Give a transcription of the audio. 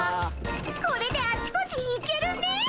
これであちこちに行けるね。